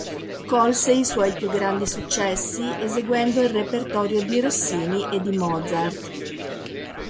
Colse i suoi più grandi successi eseguendo il repertorio di Rossini e di Mozart.